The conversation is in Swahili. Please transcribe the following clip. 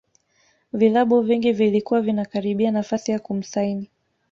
vilabu vingi vilikuwa vinakaribia nafasi ya kumsaini